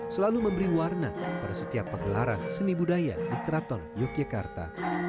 selalu memberi warna pada setiap pegelaran seni budaya di keraton yogyakarta